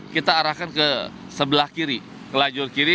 kita arahkan ke sebelah kiri ke lajur kiri